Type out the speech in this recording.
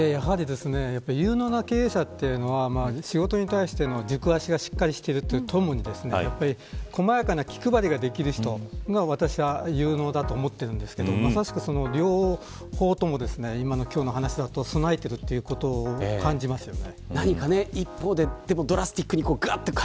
有能な経営者というのは仕事に対しての軸足がしっかりしているとともに細やかな気配りができる人が私は有能だと思っているんですけどまさしく、その両方とも備えているということを感じますよね。